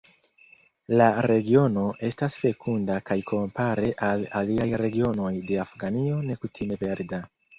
La regiono estas fekunda kaj kompare al aliaj regionoj de Afganio nekutime verda.